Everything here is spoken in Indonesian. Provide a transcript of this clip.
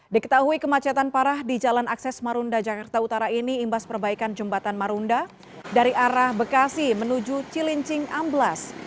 diketahui kemacetan parah di jalan akses marunda jakarta utara ini imbas perbaikan jembatan marunda dari arah bekasi menuju cilincing amblas